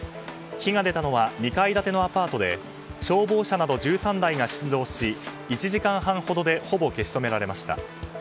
火が出たのは２階建てのアパートで消防車など１３台が出動し１時間半ほどでほぼ消し止められました。